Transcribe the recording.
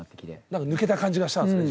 なんか抜けた感じがしたんですね